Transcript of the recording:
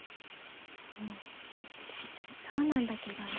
うんそうなんだけどね。